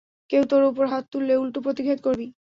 কেউ তোর উপর হাত তুললে, উল্টো প্রতিঘাত করবি।